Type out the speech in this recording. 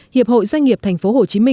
hiệp hội doanh nghiệp tp hcm